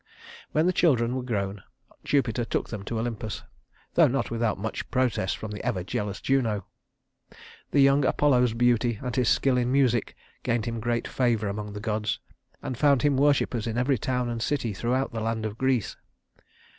When the children were grown, Jupiter took them to Olympus, though not without much protest from the ever jealous Juno. The young Apollo's beauty and his skill in music gained him great favor among the gods, and found him worshipers in every town and city throughout the land of Greece.